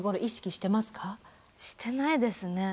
してないですね